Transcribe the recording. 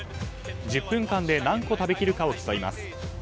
１０分間で何個食べきるかを競います。